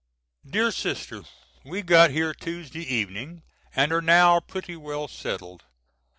DEAR SISTER: We got here Tuesday evening and are now pretty well settled.